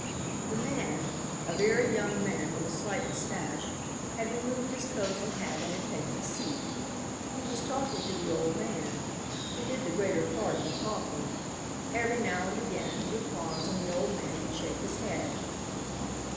The man, a very young man with a slight moustache, had removed his coat and hat and had taken a seat. He was talking to the old man. He did the greater part of the talking. Every now and again he would pause and the old man would shake his head.